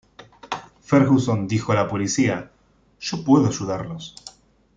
Ferguson dijo a la policía: "Yo puedo ayudarlos.